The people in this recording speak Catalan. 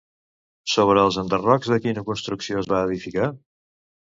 Sobre els enderrocs de quina construcció es va edificar?